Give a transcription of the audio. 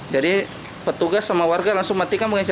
jadi petugas sama warga langsung matikan caranya